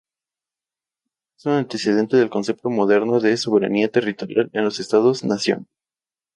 Es un antecedente del concepto moderno de soberanía territorial en los Estados-Nación.